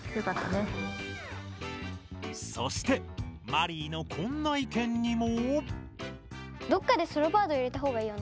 そしてマリイのこんな意見にも。